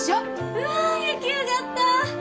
うわ焼き上がった！